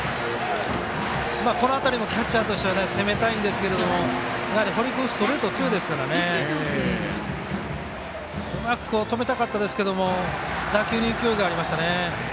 この辺りもキャッチャーとしては攻めたいんですけども堀君、ストレート強いですからね。うまく止めたかったですけども打球に勢いがありましたね。